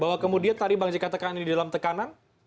bahwa kemudian tadi bang jika tekanan di dalam tekanan